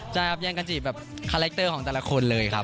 ใช่ครับยังกระจีแบบคาแรคเตอร์ของแต่ละคนเลยครับ